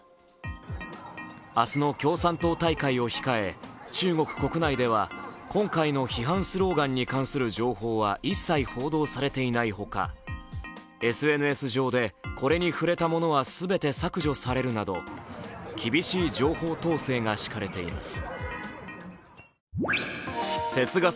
明日の共産党大会を控え中国国内では今回の批判スローガンに関する情報は一切報道されていないほかＳＮＳ上でこれに触れたものは全て削除されるなど厳しい情報統制が敷かれています。